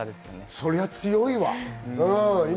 そりゃ強いわ。